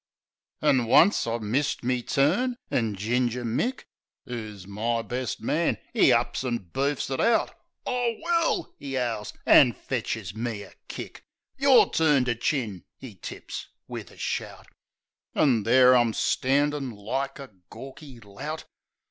An' once I missed me turn; an' Ginger Mick, 'Oo's my best man, 'e ups an' beefs it out. "I will !" 'e 'owls ; an' fetches me a kick. "Your turn to chin!" 'e tips wiv a shout. An' there I'm standin' like a gawky lout.